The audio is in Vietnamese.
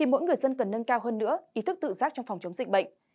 mỗi người dân cần nâng cao hơn nữa ý thức tự giác trong phòng chống dịch bệnh